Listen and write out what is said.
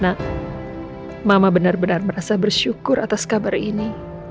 nak mama benar benar merasa bersyukur atas kabar ini